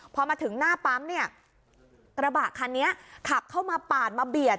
พอมาถึงหน้าปั๊มเนี่ยกระบะคันนี้ขับเข้ามาปาดมาเบียด